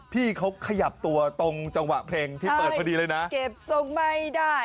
พี่เขาขยับตัวตรงจังหวะเพลงที่เปิดพอดีเลยนะเก็บทรงไม่ได้